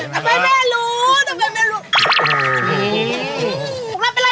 ทำไมแม่รู้